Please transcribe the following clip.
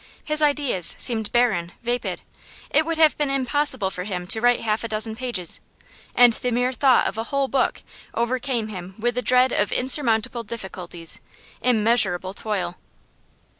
His ideas seemed barren, vapid; it would have been impossible for him to write half a dozen pages, and the mere thought of a whole book overcame him with the dread of insurmountable difficulties, immeasurable toil.